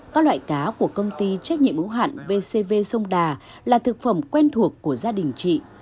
các loại cá của công ty trách nhiệm ưu hạn vcv sông đà là thực phẩm quen thuộc của gia đình chị